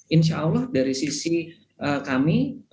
insya allah dari sisi kami